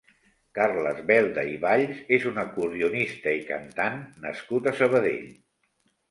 Carles Belda i Valls és un acordionista i cantant nascut a Sabadell.